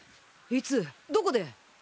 いつどこで？